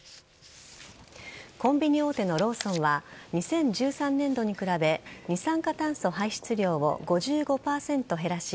コンビニ大手のローソンは２０１３年度に比べ二酸化炭素排出量を５５％減らし